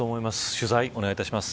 取材、お願いいたします。